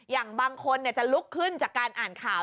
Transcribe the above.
อย่างบางคนจะลุกขึ้นจากการอ่านข่าว